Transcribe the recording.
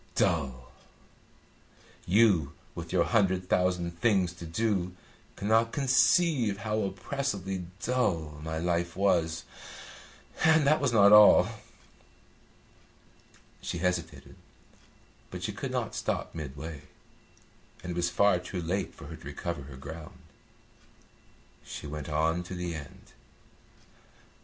Dull! You, with your hundred thousand things to do, cannot conceive how oppressively dull my life was. And that was not all!" She hesitated, but she could not stop midway, and it was far too late for her to recover her ground. She went on to the end.